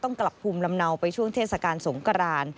กลับภูมิลำเนาไปช่วงเทศกาลสงกราน